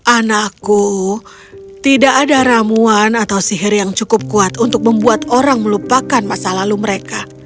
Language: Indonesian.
anakku tidak ada ramuan atau sihir yang cukup kuat untuk membuat orang melupakan masa lalu mereka